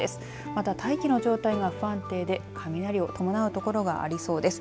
また大気の状態が不安定で雷を伴う所がありそうです。